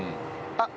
あっ！